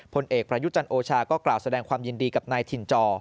ผลเอกประยุจันทร์โอชาก็กล่าวแสดงความยินดีกับนายถิ่นจอ